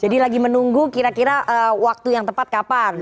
jadi lagi menunggu kira kira waktu yang tepat kapan